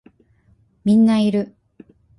みんないる